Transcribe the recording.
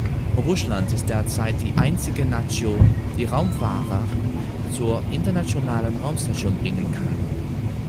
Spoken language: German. Russland ist derzeit die einzige Nation, die Raumfahrer zur Internationalen Raumstation bringen kann.